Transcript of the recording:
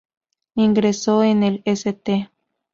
Ingresó en el St.